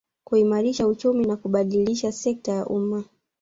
Kuimarisha uchumi na kuibadilisha sekta ya umma